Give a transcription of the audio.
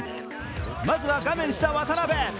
まずは、画面下、渡邊。